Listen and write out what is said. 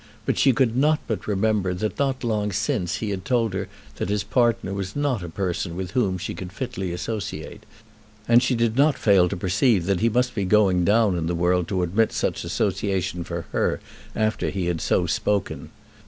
But she could not but remember that not long since he had told her that his partner was not a person with whom she could fitly associate; and she did not fail to perceive that he must be going down in the world to admit such association for her after he had so spoken.